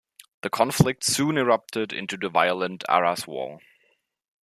The conflict soon erupted into the violent Aras War.